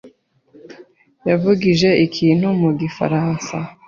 yavugije ikintu mu gifaransa.